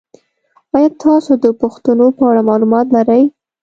ایا تاسو د پښتنو په اړه معلومات لرئ؟